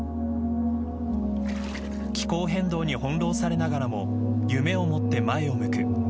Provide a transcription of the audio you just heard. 気候変動に翻弄されながらも夢を持って前を向く。